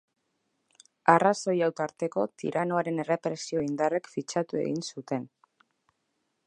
Arrazoi hau tarteko tiranoaren errepresio indarrek fitxatu egin zuten.